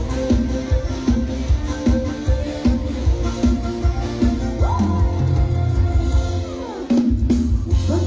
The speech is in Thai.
เวลาที่สุดท้าย